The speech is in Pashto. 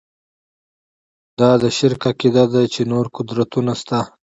دا د شرک عقیده ده چې نور قدرتونه شته.